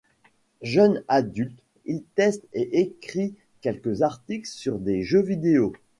Jeune adulte, il teste et écrit quelques articles sur des jeux vidéo.